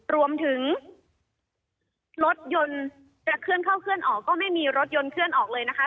รวมถึงรถยนต์จะเคลื่อนเข้าเคลื่อนออกก็ไม่มีรถยนต์เคลื่อนออกเลยนะคะ